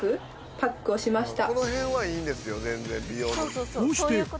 パックをしました